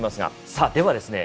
さあではですね